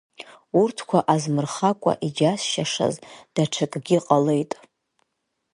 Урҭқәа азмырхакәа, иџьасшьашаз даҽакгьы ҟалеит…